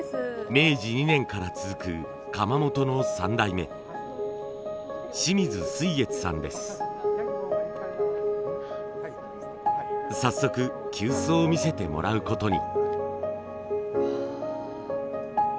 明治２年から続く窯元の３代目早速急須を見せてもらうことに。